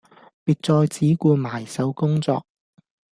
別再只顧埋首工作